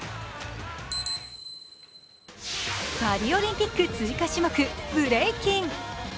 パリオリンピック追加種目ブレイキン。